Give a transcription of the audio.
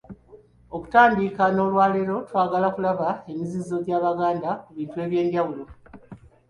Okutandika n'olwaleero, twagala okulaba emizizo gy'Abaganda ku bintu eby'enjawulo.